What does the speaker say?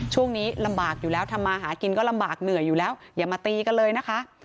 ช่วงนี้ลำบากอยู่แล้วทำมาหากินก็ลำบากเหนื่อยอยู่แล้วอย่ามาตีกันเลยนะคะ